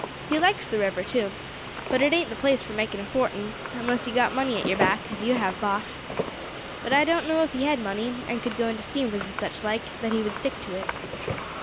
He likes the river, too; but it ain't the place for making a fortin, unless you've got money at your back, as you have, boss. But I don't know if he had money, and could go into steamers and such like, that he would stick to it.